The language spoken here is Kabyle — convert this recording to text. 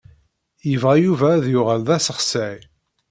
Yebɣa Yuba ad yuɣal d asexsay.